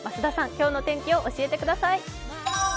今日の天気を教えてください。